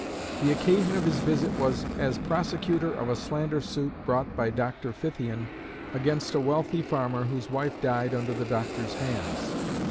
The occasion of his visit was as prosecutor of a slander suit brought by Dr. Fithian against a wealthy farmer whose wife died under the doctor's hands.